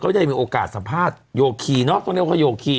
ได้มีโอกาสสัมภาษณ์โยคีเนอะต้องเรียกว่าโยคี